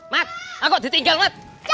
mat aku ditinggal mat